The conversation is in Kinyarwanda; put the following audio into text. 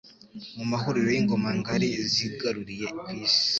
mu mahuriro y'ingoma ngari zigaruriye isi.